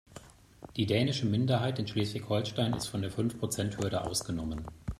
Die dänische Minderheit in Schleswig-Holstein ist von der Fünfprozenthürde ausgenommen.